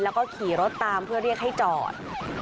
แล้วก็ขี่รถตามเพื่อเรียกให้จอด